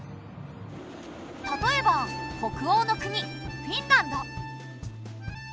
例えば北欧の国フィンランド。